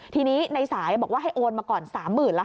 ทีนี้ในสายบอกว่าให้โอนมาก่อน๓๐๐๐แล้วค่ะ